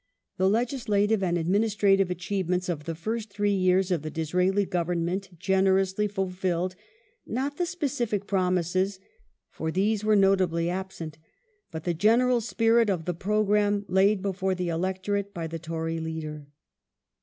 The legislative and administrative achieve ments of the first three years of the Disraeli Government generously fulfilled, not the specific promises, for these were notably absent, but the general spirit of the programme laid before the electorate / ybj: the Tory leader.